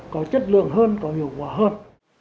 có chất lượng hơn có hiệu quả hơn